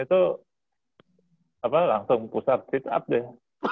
itu apa langsung pusar sit up deh